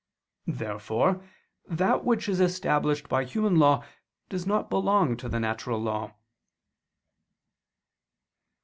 Therefore that which is established by human law does not belong to the natural law.